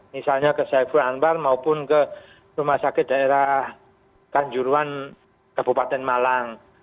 misalnya ke saiful anwar maupun ke rumah sakit daerah kanjuruan kabupaten malang